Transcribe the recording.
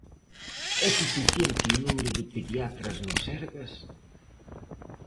É suficiente o número de pediatras no Sergas?